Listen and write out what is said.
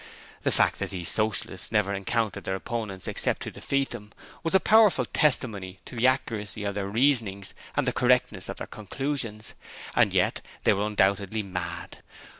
The fact that these Socialists never encountered their opponents except to defeat them, was a powerful testimony to the accuracy of their reasonings and the correctness of their conclusions and yet they were undoubtedly mad.